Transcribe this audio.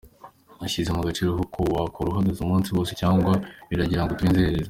ushyize mu gaciro koko wakora uhagaze umunsi wose cyangwa baragira ngo tube inzererezi?.